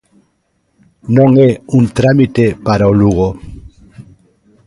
Non é un trámite para o Lugo.